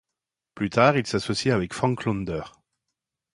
Plus tard, il s’associe avec Frank Launder.